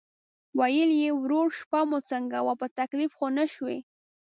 ویل یې: "وروره شپه مو څنګه وه، په تکلیف خو نه شوئ؟"